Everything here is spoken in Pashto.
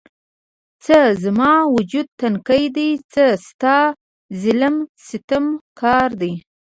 څه زما وجود تنکی دی، څه ستا ظلم ستم کار دی